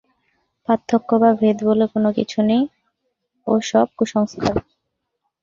পার্থক্য বা ভেদ বলে কোন কিছু নেই, ও-সব কুসংস্কারমাত্র।